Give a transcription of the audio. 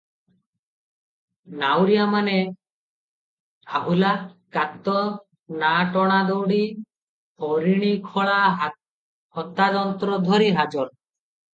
ନାଉରିଆମାନେ ଆହୁଲା, କାତ, ନା - ଟଣା ଦଉଡ଼ି, ହରିଣିଖୋଳା ହତା ଯନ୍ତ୍ର ଧରି ହାଜର ।